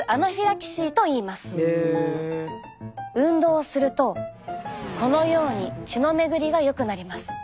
運動をするとこのように血の巡りがよくなります。